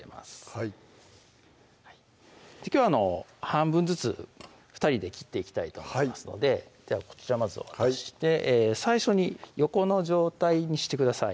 はいきょうは半分ずつ２人で切っていきたいと思いますのでではこちらまずお渡しして最初に横の状態にしてください